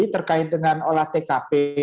terkait dengan olah tkp